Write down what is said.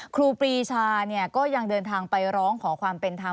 ครูปรีชาก็ยังเดินทางไปร้องขอความเป็นธรรม